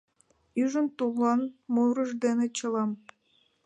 Ӱжын тулан мурыж дене чылам